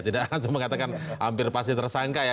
tidak langsung mengatakan hampir pasti tersangka ya